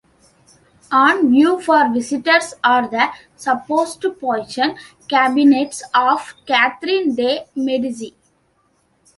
On view for visitors are the supposed poison cabinets of Catherine de' Medici.